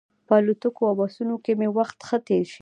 په الوتکو او بسونو کې مې وخت ښه تېر شي.